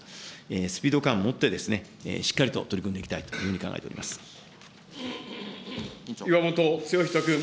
スピード感を持って、しっかりと取り組んでいきたいというふうに岩本剛人君。